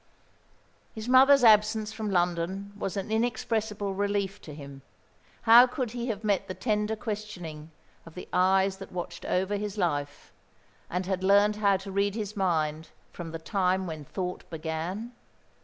His mother's absence from London was an inexpressible relief to him. How could he have met the tender questioning of the eyes that watched over his life, and had learned how to read his mind from the time when thought began?